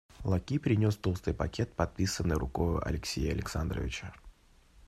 Лакей принес толстый пакет, надписанный рукою Алексея Александровича.